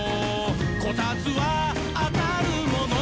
「こたつはあたるもの」